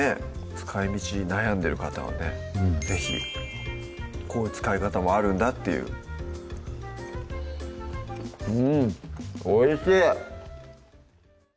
使い道に悩んでる方はね是非こういう使い方もあるんだっていううんおいしい！